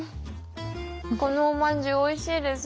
このおまんじゅうおいしいですね。